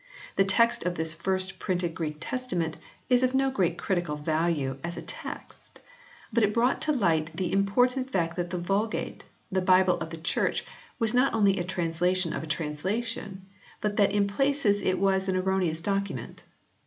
The text of this first printed Greek Testament is of no great critical value, as a text, but it brought to light the important fact that the Vulgate, the Bible of the Church, was not only a translation of a translation, but that in places it was an erroneous document.